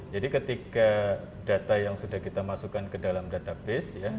jadi ketika data yang sudah kita masukkan ke dalam database